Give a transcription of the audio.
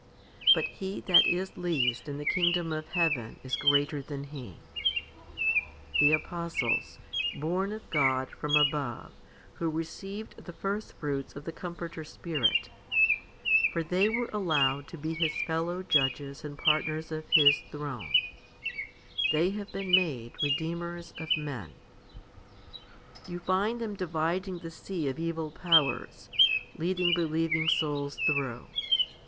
Bui he that is least in the kingdom of heaven is greater than he 2 the apostles, born of God from above, who received the firstfruits of the Comforter Spirit for they were allowed to be His fellow judges and partners of His throne; they have been made redeemers of men. You find them dividing the sea of evil powers, leading believing souls through.